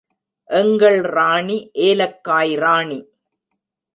எங்கள் ராணி, ஏலக்காய் ராணி!